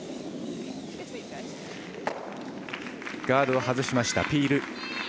ガードを外しましたピール。